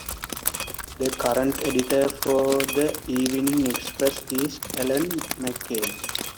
The current editor for the Evening Express is Alan McCabe.